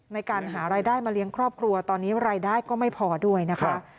ในการหารายได้มาเลี้ยงครอบครัวตอนนี้รายได้ก็ไม่พอด้วยนะคะ